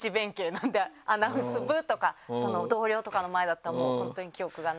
なんでアナウンス部とか同僚とかの前だったらもう本当に記憶がない。